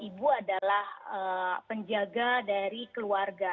ibu adalah penjaga dari keluarga